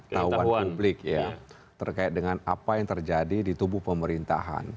tahuan publik ya terkait dengan apa yang terjadi di tubuh pemerintahan